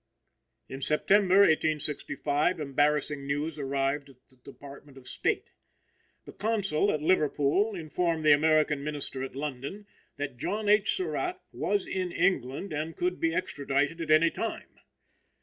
In September, 1865, embarrassing news arrived at the Department of State. The consul at Liverpool informed the American Minister at London that John H. Surratt was in England and could be extradited at any time.